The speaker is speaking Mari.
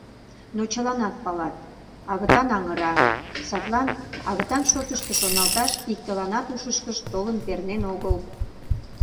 Но чыланат палат, агытан аҥыра, садлан агытан шотышто шоналташ иктыланат ушышкышт толын пернен огыл.